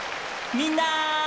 みんな！